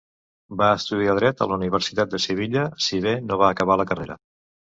Va estudiar dret a la Universitat de Sevilla, si bé no va acabar la carrera.